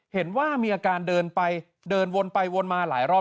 เห็นว่ามีอาการเดินไปเดินวนไปวนมาหลายรอบ